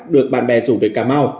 được bạn bè rủ về cà mau